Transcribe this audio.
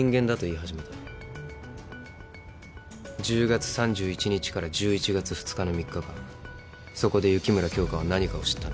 １０月３１日から１１月２日の３日間そこで雪村京花は何かを知ったんだ。